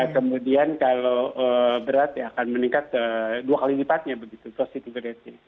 kemudian kalau berat ya akan meningkat dua kali lipatnya begitu positivity rate